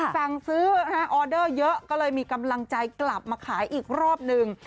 สั่งซื้อออเดอร์เยอะก็เลยมีกำลังใจกลับมาขายอีกรอบหนึ่ง